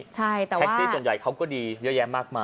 แต่ว่าแท็กซี่ส่วนใหญ่เขาก็ดีเยอะแยะมากมาย